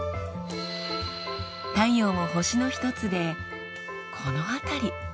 太陽も星の一つでこの辺り。